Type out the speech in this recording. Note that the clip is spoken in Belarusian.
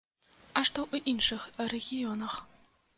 А што ў іншых рэгіёнах?